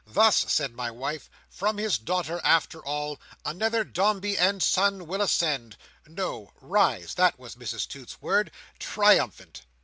Thus,' said my wife, 'from his daughter, after all, another Dombey and Son will ascend'—no 'rise;' that was Mrs Toots's word—'triumphant!